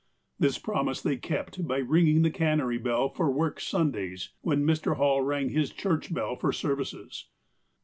This promise they kept by ringing the cannery bell for work Sundays, when Mr. Hall rang his church bell for services.